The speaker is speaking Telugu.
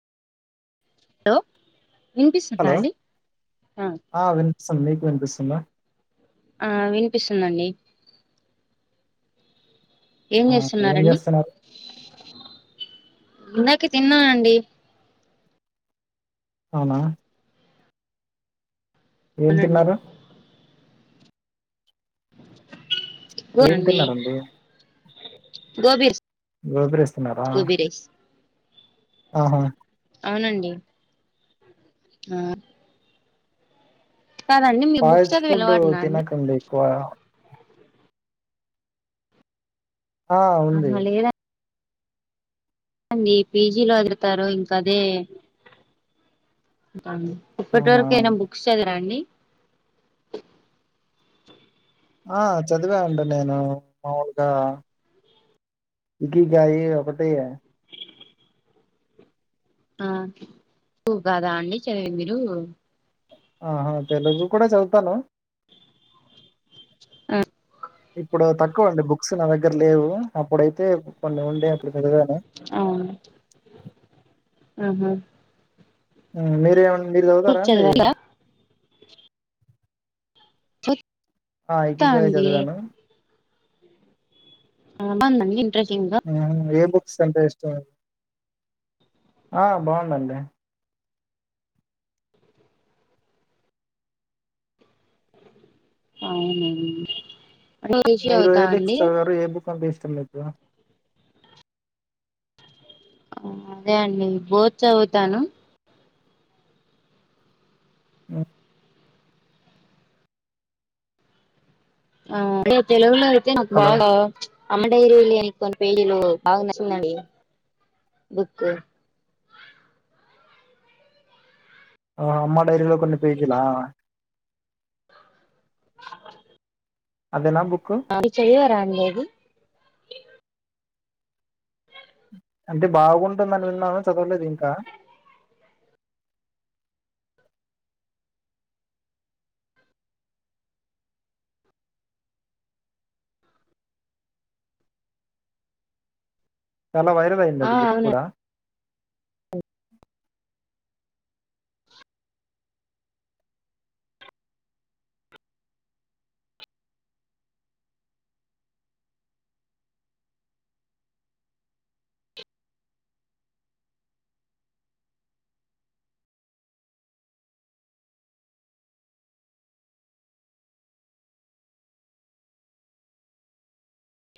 హలో వినిపిస్తుందా హలో అండి హ ఆ వినిపిస్తుంది మీకు వినిపిస్తుంద ఆ వినిపిస్తుందండి ఏం ఆ ఏం చేస్తున్నారండి చేస్తున్నారు ఇందాకే తిన్నానండి అవునా ఏం అవునండి తిన్నారు ఏం తిన్నారండి గోబీ గోబి రైస్ తీన్నారా గోబీ రైస్ ఆహా అవునండి ఆ కాదండి మీరు బుక్స్ ఫాస్ట్ చదివే ఫుడ్ అలవాటున్నా అండి తినకండి ఎక్కువ ఆ ఉంది ఆహా అండి పీజీలో పెడతారు ఇంకా అదే ఇప్పటి అవునా వరకు ఆయినా బుక్స్ చదివర అండి ఆ చదివా అండి నేను మాముూలుగా ఇడిలీ కాయి ఒకటే ఆ టు కదా అండి చదివి మీరు ఆహా తెలుగు కూడా చదుతాను ఆ ఇప్పుడు తక్కువ అండి బుక్స్ నా దగ్గర లేవు అప్పుడైతే కొన్ని ఉండే అప్పుడు పెరగాను అవును ఆహా మీరేమ్ మీరు చదువుతారా బుక్ అండి చదివారా ఆ చదువుతా ఇంటికి పోయే అండి చదివాను ఆవునా అండి ఇంట్రెస్ట్ ఉందా ఏ బుక్స్ అంటే ఇష్టము మండి ఆ బాగుందండి అవునండి రిసీవ్ మీరు అవుతా ఏదిక్ అండి ఇస్తున్నారు. ఏ బుక్ అంటె ఇష్టం మీకు అదే అండి బోజు చదువుతాను హ్ ఆ అదే తెలుగులో అయితే నాకు హలో బాగా అమ్మ డైరిలు పేజి లో బాగా నచ్చిందండి బుక్ ఆ అమ్మ డైరీలో కొన్ని పేజిలా అ అదే నా బుక్ అవి చెయ్యరా అండి అది అంటే బాగుంటుందని విన్నాను కానీ చదవలేదు ఇంకా చాలా వైరల్ అయింది ఆ అండి బుక్ అవునండి కూడా